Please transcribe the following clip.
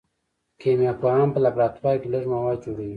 کیمیا پوهان په لابراتوار کې لږ مواد جوړوي.